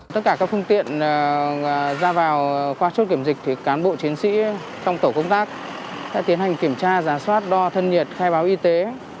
tất cả các phương tiện ra vào qua chốt kiểm dịch cán bộ chiến sĩ trong tổ công tác sẽ tiến hành kiểm tra giả soát đo thân nhiệt khai báo y tế